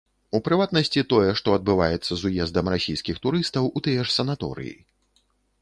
У прыватнасці тое, што адбываецца з уездам расійскіх турыстаў у тыя ж санаторыі.